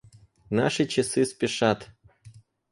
Наши часы спешат.